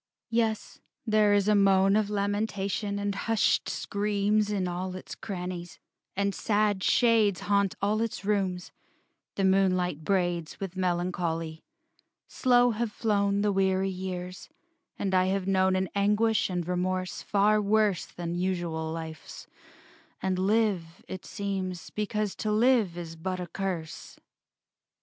VI Yes, there is moan Of lamentation and hushed screams In all its crannies; and sad shades Haunt all its rooms, the moonlight braids, With melancholy. Slow have flown The weary years: and I have known An anguish and remorse far worse Than usual life's; and live, it seems, Because to live is but a curse....